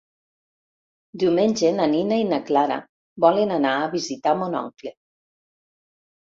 Diumenge na Nina i na Clara volen anar a visitar mon oncle.